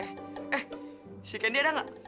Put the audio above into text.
eh si candy ada gak